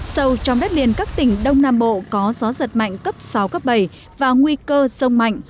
sâu trong đất liền các tỉnh đông nam bộ có gió giật mạnh cấp sáu cấp bảy và nguy cơ sông mạnh